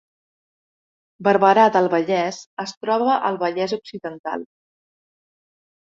Barberà del Vallès es troba al Vallès Occidental